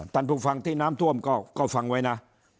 ท่านผู้ฟังที่น้ำท่วมก็ฟังไว้นะ